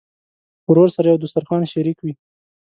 ورور سره یو دسترخوان شریک وي.